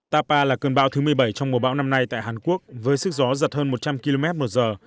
tapa là cơn bão thứ một mươi bảy trong mùa bão năm nay tại hàn quốc với sức gió giật hơn một trăm linh km một giờ